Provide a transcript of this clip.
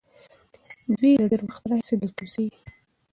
دوی له ډېر وخت راهیسې دلته اوسېږي.